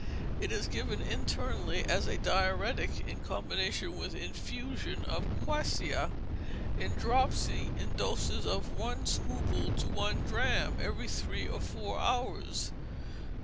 It is given internally as a diuretic, in combination with infusion of quassia; in dropsy, in doses of from one scruple to one drachm, every three or four hours.